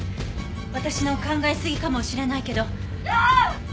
私の考えすぎかもしれないけど。